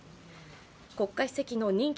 国家主席の任期